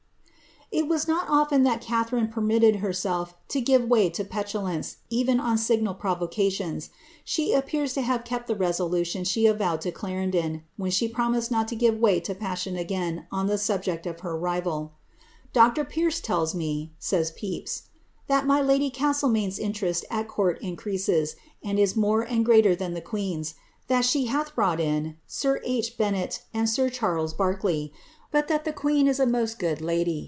IS not oAen that Catharine permitted herself to give waj to petu nren on signal provocations. She appears to have kept the reso ihe avowed to Clarendon, when she promised not to give way to again on the subject of her rival. ^ Dr. Pierce tells me," says ^ that my lady Castlemaine's interest at court increases, and is ad greater than the queen's ; that she hath brought in sir H. Ben 1 sir Charles Barkeley ; but that the queen is a most good lady